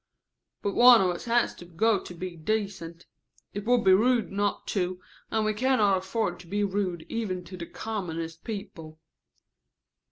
"But one of us has to go to be decent. It would be rude not to, and we can not afford to be rude even to the commonest people."